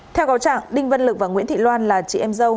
theo cáo trạng đinh văn lực và nguyễn thị loan là chị em dâu